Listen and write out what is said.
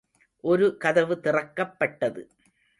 ஒரு கதவு திறக்கப்பட்டது.